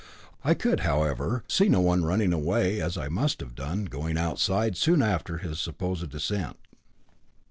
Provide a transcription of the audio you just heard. I could, however, see no one running away, as I must have done, going outside so soon after his supposed descent.